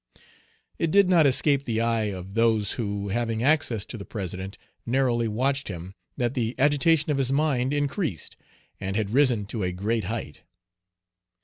It did not escape the eye of those who, having access to the President, narrowly watched him, that the agitation of his mind Page 150 increased, and had risen to a great height.